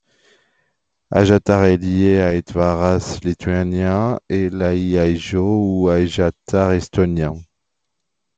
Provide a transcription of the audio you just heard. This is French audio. Ajatar est liée à l'Aitvaras lituanien et l'Äi, Äijo ou Äijattar estonien.